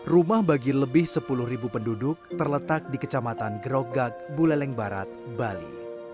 rumah bagi lebih sepuluh penduduk terletak di kecamatan gerogak buleleng barat bali